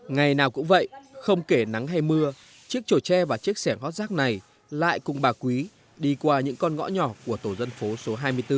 ngày nào cũng vậy không kể nắng hay mưa chiếc trổ tre và chiếc sẻng hót rác này lại cùng bà quý đi qua những con ngõ nhỏ của tổ dân phố số hai mươi bốn